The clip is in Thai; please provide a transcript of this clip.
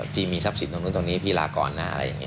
พี่มีทรัพย์สินตรงนู้นตรงนี้พี่ลาก่อนหน้า